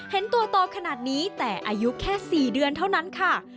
เห็นตัวโตขนาดนี้แต่อายุแค่๔เดือนเท่านั้นค่ะ